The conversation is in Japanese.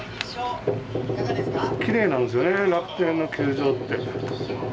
きれいなんですよね楽天の球場って。